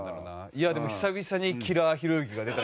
いやあでも久々にキラーひろゆきが出た。